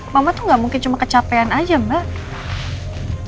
mama tuh gak mungkin cuma kecapean aja mbak